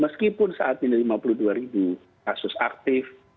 meskipun saat ini lima puluh dua ribu kasus aktif